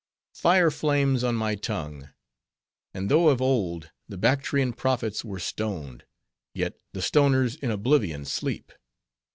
Fire flames on my tongue; and though of old the Bactrian prophets were stoned, yet the stoners in oblivion sleep.